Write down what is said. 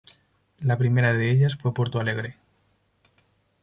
La primera de ellas fue Porto Alegre.